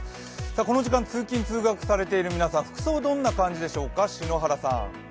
この時間、通勤・通学されている皆さん、服装どんな感じですか？